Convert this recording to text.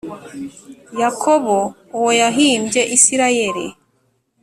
Yakobo uwo yahimbye Isirayeli